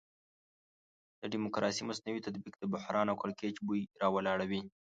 د ډیموکراسي مصنوعي تطبیق د بحران او کړکېچ بوی راولاړوي.